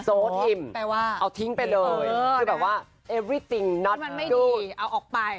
โซ่ทิมแปลว่าเอาทิ้งไปเลยคือแบบว่าไม่ดีเอาออกไป